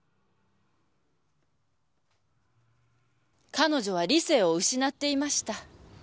彼女は理性を失っていました。